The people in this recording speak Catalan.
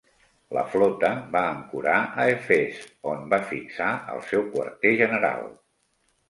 La flota va ancorar a Efes on va fixar el seu quarter general.